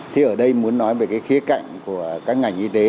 thì ở đây muốn nói về cái khía cạnh của các ngành y tế